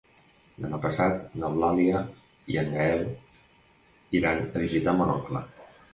Demà passat n'Eulàlia i en Gaël iran a visitar mon oncle.